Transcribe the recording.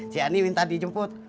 si ani minta dijemput